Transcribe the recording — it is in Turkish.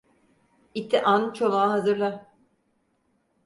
İti an, çomağı hazırla.